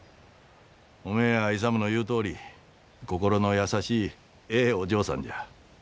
おめえや勇の言うとおり心の優しいええお嬢さんじゃ。